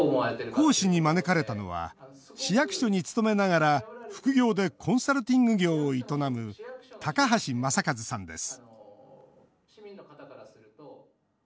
講師に招かれたのは市役所に勤めながら副業でコンサルティング業を営む高橋正和さんです